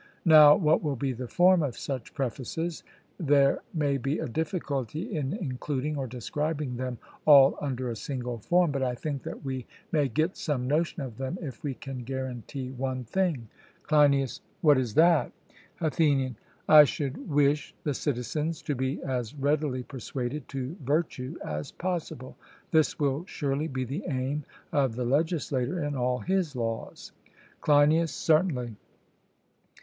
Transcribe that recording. Now, what will be the form of such prefaces? There may be a difficulty in including or describing them all under a single form, but I think that we may get some notion of them if we can guarantee one thing. CLEINIAS: What is that? ATHENIAN: I should wish the citizens to be as readily persuaded to virtue as possible; this will surely be the aim of the legislator in all his laws. CLEINIAS: Certainly.